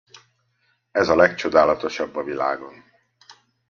Ez a legcsodálatosabb a világon!